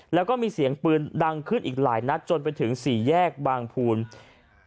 แล้วก็มีเสียงปืนดังขึ้นอีกหลายนัดจนไปถึงสี่แยกบางภูมิ